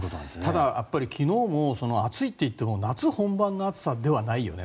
ただ、昨日も暑いといっても夏本番の暑さではないよね。